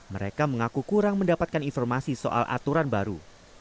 mereka mengaku kurang mendapatkan informasi soal aturan baru